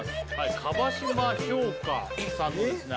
椛島氷菓さんのですね